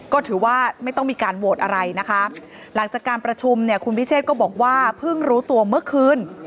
ก็ถือว่าไม่ต้องมีการโหวตอะไรนะคะหลังจากการประชุมเนี่ยคุณพิเชษก็บอกว่าเพิ่งรู้ตัวเมื่อคืน